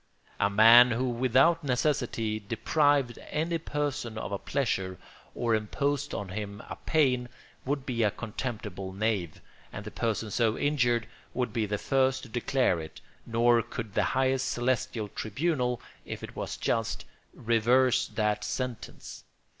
A man who without necessity deprived any person of a pleasure or imposed on him a pain, would be a contemptible knave, and the person so injured would be the first to declare it, nor could the highest celestial tribunal, if it was just, reverse that sentence.